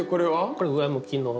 これ上向きの。